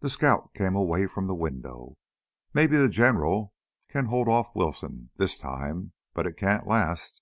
The scout came away from the window. "Maybe the General can hold off Wilson ... this time. But it can't last.